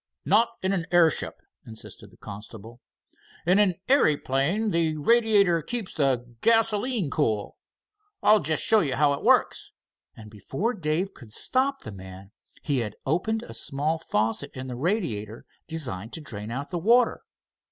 "Not in an airship," insisted the constable. "In an airyplane the radiator keeps the gasoline cool. I'll jest show you how it works," and, before Dave could stop the man, he had opened a small faucet in the radiator, designed to drain out the water.